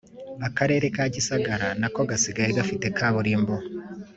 akareka ka gisagara nako gasigaye gafite kaburimbo